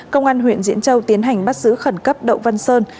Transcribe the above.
công an huyện diễn châu tiến hành bắt giữ khẩn cấp đậu văn sơn